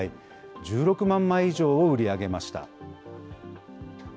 １６万枚以上を売り上げました。